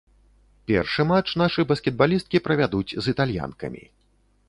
Першы матч нашы баскетбалісткі правядуць з італьянкамі.